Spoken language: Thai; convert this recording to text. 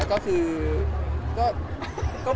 ก็ไม่ได้เล็กนะ